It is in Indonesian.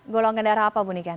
golongan darah apa bunikan